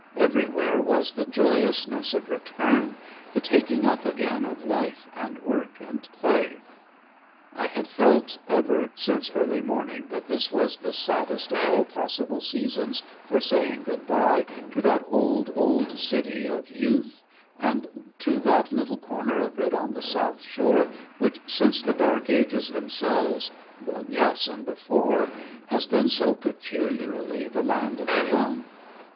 Everywhere was the joyousness of return, the taking up again of life and work and play. I had felt ever since early morning that this was the saddest of all possible seasons for saying good by to that old, old city of youth, and to that little corner of it on the south shore which since the Dark Ages themselves yes, and before has been so peculiarly the land of the young.